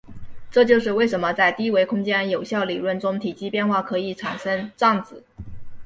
这就是为什么在低维空间有效理论中体积变化可以产生胀子。